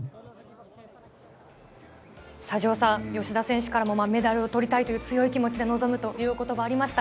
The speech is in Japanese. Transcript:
城さん、吉田選手からも、メダルをとりたいという強い気持ちで臨むということばありました。